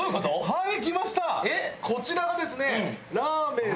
はい！